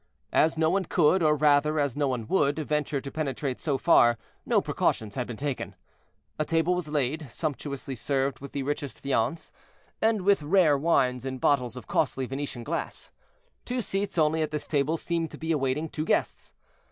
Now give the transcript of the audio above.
As no one could, or rather, as no one would, venture to penetrate so far, no precautions had been taken. A table was laid, sumptuously served with the richest viands, and with rare wines in bottles of costly Venetian glass. Two seats only at this table seemed to be awaiting two guests.